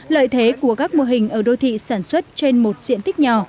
lợi thế của các mô hình ở đô thị sản xuất trên một diện tích nhỏ